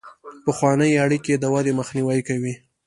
پخوانۍ اړیکې د ودې مخنیوی کوي.